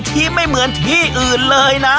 ที่ไม่เหมือนที่อื่นเลยนะ